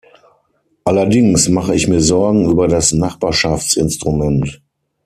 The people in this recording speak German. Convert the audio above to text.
Allerdings mache ich mir Sorgen über das Nachbarschaftsinstrument.